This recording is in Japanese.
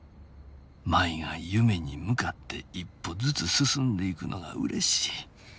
舞が夢に向かって一歩ずつ進んでいくのが嬉しい」。